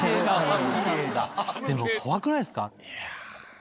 でも怖くないっすか？